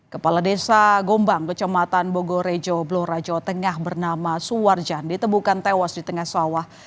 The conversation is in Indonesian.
kepala desa gombang kecamatan bogor rejo blora jawa tengah bernama suwarjan ditemukan tewas di tengah sawah